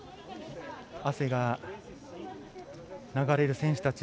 汗が流れる選手たち。